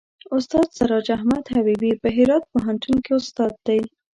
استاد سراج احمد حبیبي په هرات پوهنتون کې استاد دی.